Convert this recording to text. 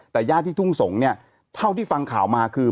แต่ญาติที่ทุ่งสงศ์เนี่ยเท่าที่ฟังข่าวมาคือ